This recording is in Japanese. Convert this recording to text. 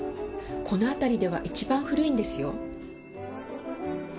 この辺りでは一番古いんですよ。